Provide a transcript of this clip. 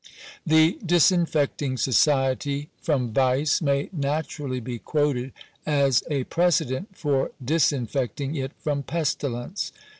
The disinfecting society from vice may naturally be quoted as a pre cedent for disinfecting it from pestilence.